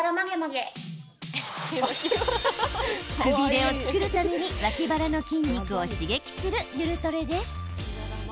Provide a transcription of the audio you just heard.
くびれを作るために脇腹の筋肉を刺激するゆるトレです。